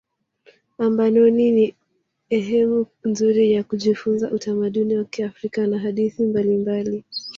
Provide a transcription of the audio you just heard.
ambanoni ni ehemu nzuri ya kujifunza utamaduni wa kiafrika na hadithi mbalimbali